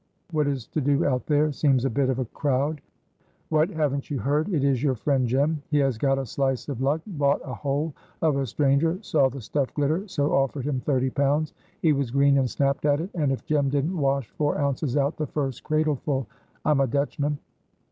"What is to do out there? seems a bit of a crowd." "What, haven't you heard? it is your friend Jem! he has got a slice of luck, bought a hole of a stranger, saw the stuff glitter, so offered him thirty pounds; he was green and snapped at it; and if Jem didn't wash four ounces out the first cradleful I'm a Dutchman."